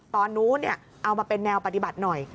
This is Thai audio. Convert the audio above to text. ตอนนู้นเอามาเป็นแนวปฏิบัติหน่อย